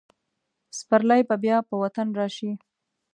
سپرلی به بیا په وطن راشي.